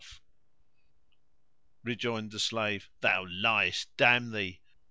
[FN#122] Rejoined the slave, Thou liest, damn thee!